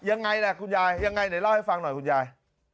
ยังไงล่ะคุณยายยังไงไหนเล่าให้ฟังหน่อยคุณยาย